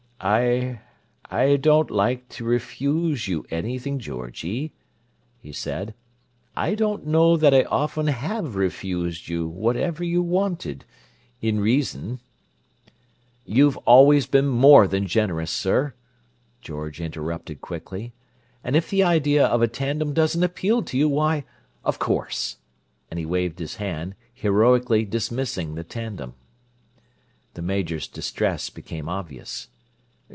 "I—I don't like to refuse you anything, Georgie," he said. "I don't know that I often have refused you whatever you wanted—in reason—" "You've always been more than generous, sir," George interrupted quickly. "And if the idea of a tandem doesn't appeal to you, why—of course—" And he waved his hand, heroically dismissing the tandem. The Major's distress became obvious.